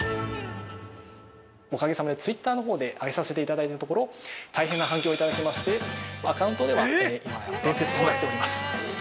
◆おかげさまでツイッターのほうで上げさせていただいたところ大変な反響をいただきましてアカウントでは今や伝説となっております。